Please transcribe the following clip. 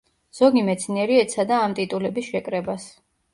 ზოგი მეცნიერი ეცადა ამ ტიტულების შეკრებას.